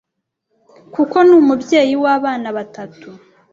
kuko ni umubyeyi w’abana batatu